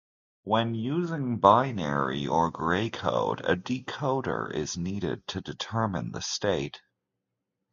When using binary or Gray code, a decoder is needed to determine the state.